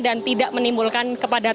dan tidak menimbulkan kepanasan